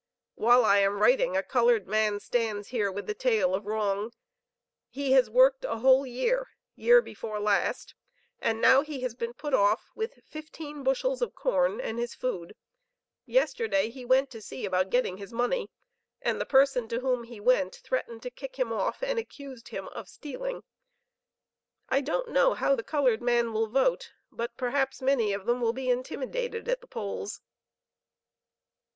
While I am writing, a colored man stands here, with a tale of wrong he has worked a whole year, year before last, and now he has been put off with fifteen bushels of corn and his food; yesterday he went to see about getting his money, and the person to whom he went, threatened to kick him off, and accused him of stealing. I don't know how the colored man will vote, but perhaps many of them will be intimidated at the polls."